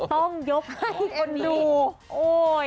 ต้องยกให้คนนี้